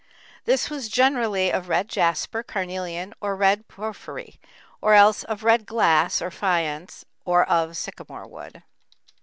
This was generally of red jasper, carnelian, or red porphyry, or else of red glass or faience or of sycamore wood.